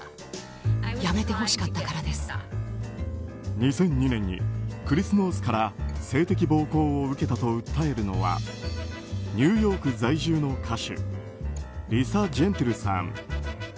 ２００２年にクリス・ノースから性的暴行を受けたと訴えるのはニューヨーク在住の歌手リサ・ジェンティルさん。